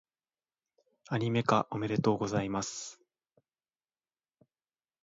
アニメ化、おめでとうございます！